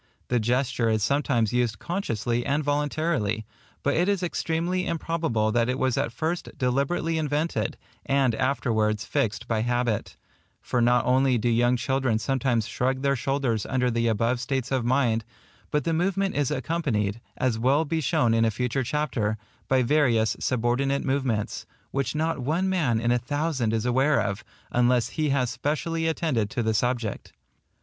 The gesture is sometimes used consciously and voluntarily, but it is extremely improbable that it was at first deliberately invented, and afterwards fixed by habit; for not only do young children sometimes shrug their shoulders under the above states of mind, but the movement is accompanied, as will be shown in a future chapter, by various subordinate movements, which not one man in a thousand is aware of, unless he has specially attended to the subject.